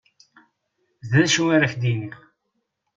D acu ara k-d-iniɣ.